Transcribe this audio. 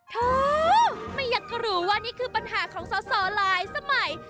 โถไม่อยากรู้ว่านี่คือปัญหาของสอสอหลายสมัย